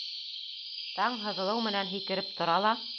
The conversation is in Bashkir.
Таң һыҙылыу менән һикереп тора ла: